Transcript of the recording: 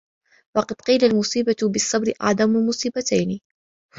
وَقَدْ قِيلَ الْمُصِيبَةُ بِالصَّبْرِ أَعْظَمُ الْمُصِيبَتَيْنِ